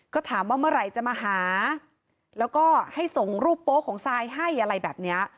ก็ถามว่าเมื่อไหร่จะมาหาแล้วก็ให้ส่งรูปโป๊ของซายให้อะไรแบบนี้